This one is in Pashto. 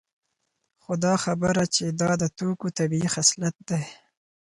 خو دا خبره چې دا د توکو طبیعي خصلت دی